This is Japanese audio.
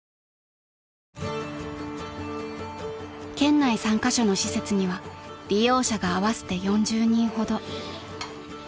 ［県内３カ所の施設には利用者が合わせて４０人ほど］